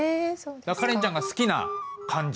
カレンちゃんが好きな漢字。